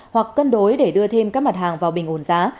hoặc cân đối để đưa thêm các mặt hàng vào bình ổn giá